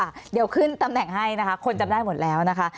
เดี๋ยวขึ้นตำแหน่งให้นะคะคนจำได้หมดแล้วนะคะ